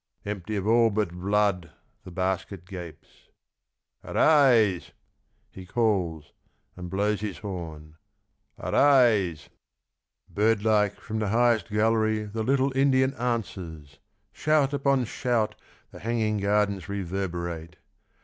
Empty of all but blood the basket gapes. " Arise !" he calls and blows his horn. " Arise !" Bird like from the highest gallery The little Indian answers. Shout upon shout, the hanging gardens reverberate.